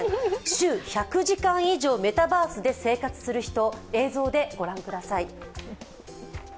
週１００時間以上、メタバースで生活する人、映像で御覧ください。